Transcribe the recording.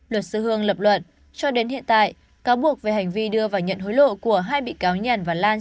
luật sư hương lập luận cho đến hiện tại cáo buộc về hành vi đưa và nhận hối lộ của hai bị cáo nhàn và lan